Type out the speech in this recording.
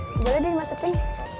boleh deh masukin